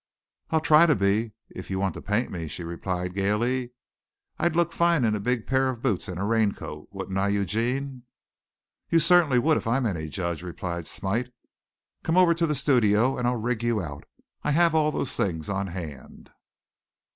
"I'll try to be, if you want to paint me," she replied gaily. "I'd look fine in a big pair of boots and a raincoat, wouldn't I, Eugene?" "You certainly would, if I'm any judge," replied Smite. "Come over to the studio and I'll rig you out. I have all those things on hand."